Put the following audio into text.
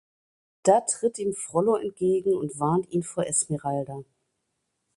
Da tritt ihm Frollo entgegen und warnt ihn vor Esmeralda.